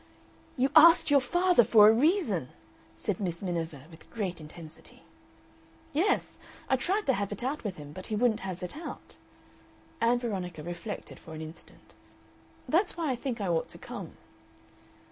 "YOU ASKED YOUR FATHER FOR A REASON!" said Miss Miniver, with great intensity. "Yes. I tried to have it out with him, but he wouldn't have it out." Ann Veronica reflected for an instant "That's why I think I ought to come."